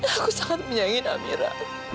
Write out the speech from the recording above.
aku sangat menyayangi amira